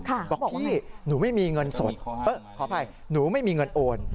บอกพี่หนูไม่มีเงินสดขออภัยหนูไม่มีเงินโอน